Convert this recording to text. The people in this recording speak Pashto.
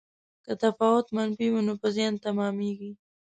که تفاوت منفي وي نو په زیان تمامیږي.